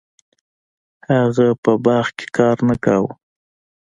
هغه په باغ کې کار نه کاوه.